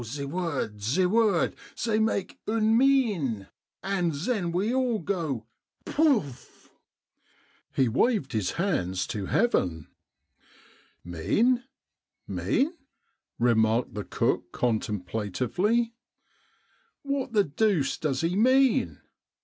ze word, ze word — zey make une mine, and zen we all go Pouff !" He waved his hands to Heaven. " Mean. Mean," remarked the cook con templatively. " Wot the deuce does he mean